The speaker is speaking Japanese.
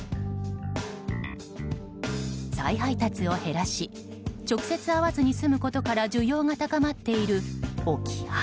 再配達を減らし直接会わずに済むことから需要が高まっている置き配。